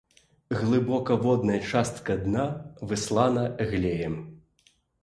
Глыбакаводная частка дна выслана глеем.